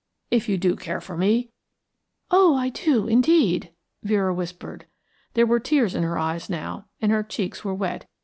If you do care for me " "Oh, I do indeed," Vera whispered. There were tears in her eyes now and her cheeks were wet.